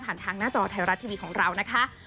ทางหน้าจอไทยรัฐทีวีของเรานะคะ